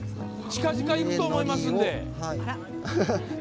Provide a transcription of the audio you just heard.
近々行くと思いますんで。